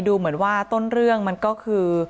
ดูเหมือนว่าต้นเรื่องมันก็คือ